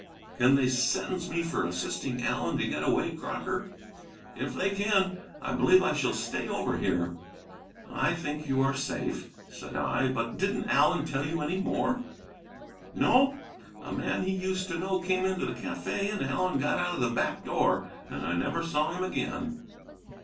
Can they sentence me for assisting Allen to get away, Crocker? If they can, I believe I shall stay over here." "I think you are safe," said I. "But didn't Allen tell you any more?" "No. A man he used to know came into the cafe, and Allen got out of the back door. And I never saw him again."